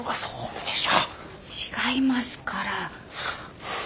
違いますから。